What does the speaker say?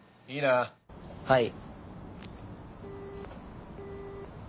はい。